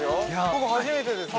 僕、初めてです。